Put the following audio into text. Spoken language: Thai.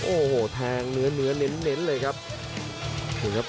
โอ้โหแทงเหนือเหน็นเลยครับ